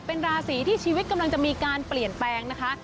เป็นราศีที่ชีวิตกำลังจะมีการเปลี่ยนแปลงนะคะ